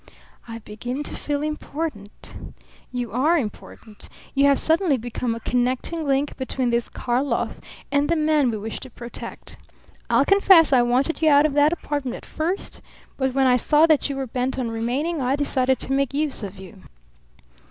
"I begin to feel important." "You are important. You have suddenly become a connecting link between this Karlov and the man we wish to protect. I'll confess I wanted you out of that apartment at first; but when I saw that you were bent on remaining, I decided to make use of you."